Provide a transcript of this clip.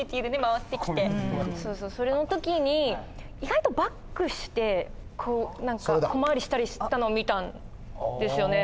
それの時に意外とバックして小回りしたりしたの見たんですよね。